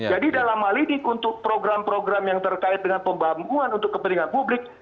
dalam hal ini untuk program program yang terkait dengan pembamuan untuk kepentingan publik